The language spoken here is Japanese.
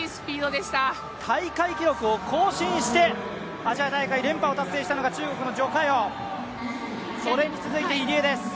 大会記録を更新してアジア大会連覇を達成したのが中国の徐嘉余、それに続いて入江です。